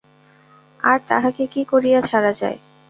আর তাহাকে কি করিয়া ছাড়া যায়?